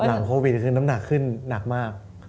หลังโควิดน้ำหนักขึ้นนักมาก